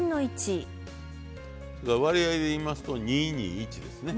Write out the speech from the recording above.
割合でいいますと２２１ですね。